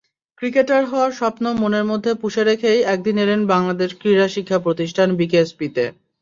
Cricketer হওয়ার স্বপ্ন মনের মধ্যে পুষে রেখেই একদিন এলেন বাংলাদেশ ক্রীড়া শিক্ষা প্রতিষ্ঠান—বিকেএসপিতে।